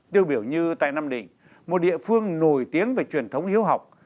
tiêu biểu như tại nam định một địa phương nổi tiếng về truyền thống hiếu học